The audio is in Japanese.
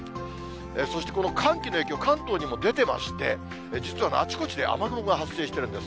そしてこの寒気の影響、関東にも出てまして、実はあちこちで雨雲が発生しているんです。